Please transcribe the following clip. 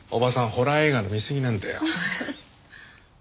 ホラー映画の見すぎなんだよ。